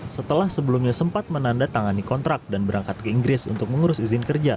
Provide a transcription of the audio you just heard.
setelah sebelumnya sempat menandatangani kontrak dan berangkat ke inggris untuk mengurus izin kerja